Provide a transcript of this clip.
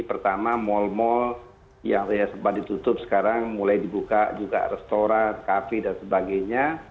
pertama mal mal yang sempat ditutup sekarang mulai dibuka juga restoran kafe dan sebagainya